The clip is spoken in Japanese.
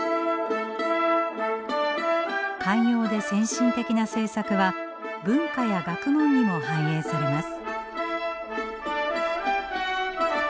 寛容で先進的な政策は文化や学問にも反映されます。